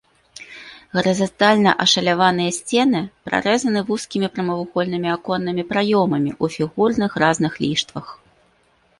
Гарызантальна ашаляваныя сцены прарэзаны вузкімі прамавугольнымі аконнымі праёмамі ў фігурных разных ліштвах.